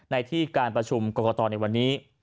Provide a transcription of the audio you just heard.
ในที่การประชุมกรกตในวันนี้